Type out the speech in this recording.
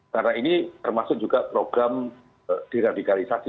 karena ini termasuk juga program diradikalisasi